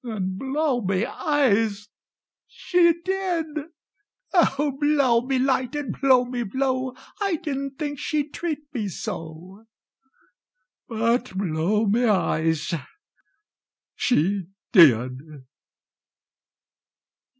And, blow me eyes, she did! O, blow me light and blow me blow, I didn't think she'd treat me so But, blow me eyes, she did!